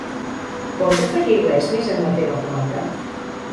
Vols afegir res més en la teva comanda?